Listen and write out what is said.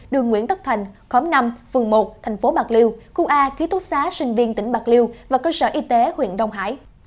đường nguyễn tất thành khóm năm phường một tp bạc liêu khu a khí thuốc xá sinh viên tỉnh bạc liêu và cơ sở y tế huyện đông hải